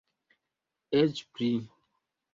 Eĉ pli.